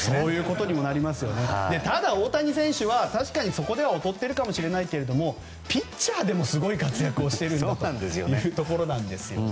ただ、大谷選手は確かにそこでは劣っているかもしれないけどピッチャーでもすごい活躍をしています。